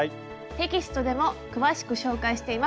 テキストでも詳しく紹介しています。